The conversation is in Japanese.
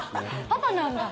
パパなんだ。